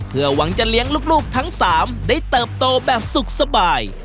เพื่อหวังจะเลี้ยงลูกทั้ง๓ได้เติบโตแบบสุขสบาย